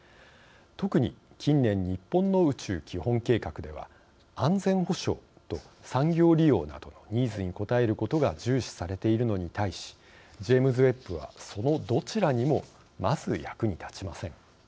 特に近年日本の宇宙基本計画では安全保障と産業利用などのニーズに応えることが重視されているのに対しジェームズ・ウェッブはそのどちらにもまず役に立ちません。